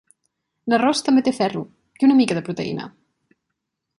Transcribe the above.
L'arròs també té ferro i una mica de proteïna.